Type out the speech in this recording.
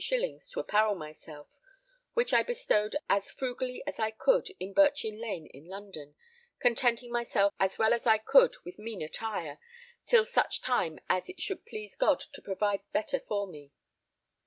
_ to apparel myself, which I bestowed as frugally as I could in Birchin Lane in London, contenting myself as well as I could with mean attire, till such time as it should please God to provide better for me.